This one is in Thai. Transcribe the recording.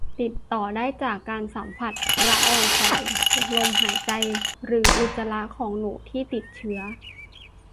ติดต่อได้จากการสัมผัสละอองฝอยลมหายใจ หรืออุจจาระของหนูที่ติดเชื้อ